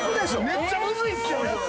めっちゃむずいっすよ！